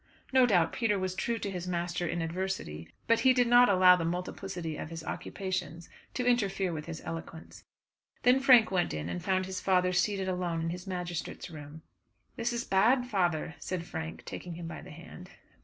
No doubt Peter was true to his master in adversity, but he did not allow the multiplicity of his occupations to interfere with his eloquence. Then Frank went in and found his father seated alone in his magistrate's room. "This is bad, father," said Frank, taking him by the hand.